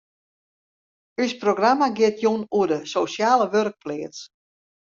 Us programma giet jûn oer de sosjale wurkpleats.